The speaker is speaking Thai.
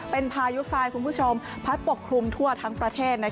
เป็นพายุทรายคุณผู้ชมพัดปกคลุมทั่วทั้งประเทศ